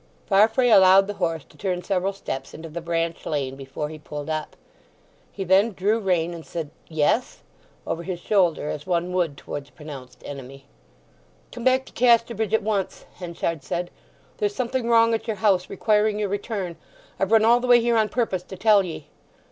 Farfrae allowed the horse to turn several steps into the branch lane before he pulled up. He then drew rein, and said "Yes?" over his shoulder, as one would towards a pronounced enemy. "Come back to Casterbridge at once!" Henchard said. "There's something wrong at your house—requiring your return. I've run all the way here on purpose to tell ye."